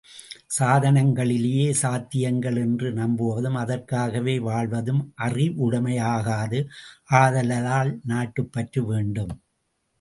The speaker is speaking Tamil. சாதனங்களையே சாத்தியங்கள் என்று நம்புவதும் அதற்காகவே வாழ்வதும் அறிவுடைமையாகாது, ஆதலால் நாட்டுப்பற்று வேண்டும்.